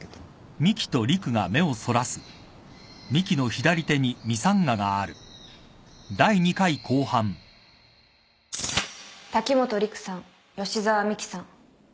滝本陸さん吉沢未希さん。